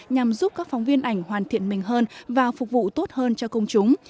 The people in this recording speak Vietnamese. nhằm giúp các phóng viên ảnh hoàn thiện mình hơn và phục vụ tốt hơn cho công chúng